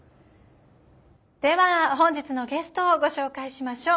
では本日のゲストをご紹介しましょう。